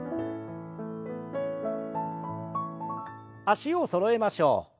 脚をそろえましょう。